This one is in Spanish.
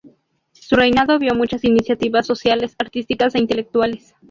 Su reinado vio muchas iniciativas sociales, artísticas e intelectuales.